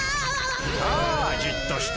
さあじっとして。